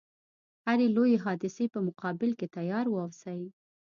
هري لويي حادثې په مقابل کې تیار و اوسي.